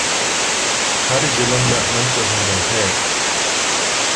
ਹਰ ਜ਼ੁਲਮ ਦਾ ਅੰਤ ਹੁੰਦਾ ਹੈ